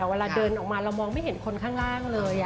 เวลาเดินออกมาเรามองไม่เห็นคนข้างล่างเลย